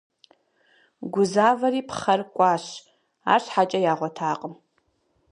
Гузавэри пхъэр кӀуащ, арщхьэкӀэ ягъуэтакъым.